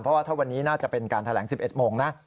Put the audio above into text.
เพราะว่าถ้าวันนี้น่าจะเป็นการแถลง๑๑โมงนะ